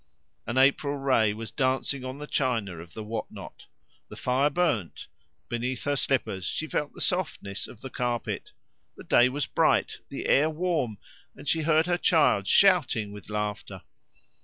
An April ray was dancing on the china of the whatnot; the fire burned; beneath her slippers she felt the softness of the carpet; the day was bright, the air warm, and she heard her child shouting with laughter.